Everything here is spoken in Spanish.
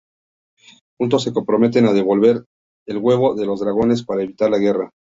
Juntos se comprometen a devolver el huevo a los dragones para evitar la guerra.